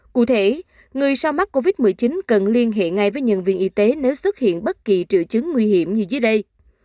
cụ thể người sau mắc covid một mươi chín cần liên hệ ngay với nhân viên y tế nếu xuất hiện bất kỳ triệu chứng nguy hiểm như dưới đây